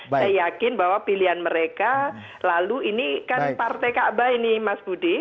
saya yakin bahwa pilihan mereka lalu ini kan partai kaabah ini mas budi